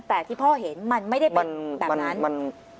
แต่ที่พ่อเห็นมันไม่ได้เป็นแบบนั้น